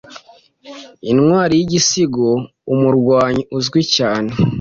intwari yigisigo Umurwanyi uzwi cyane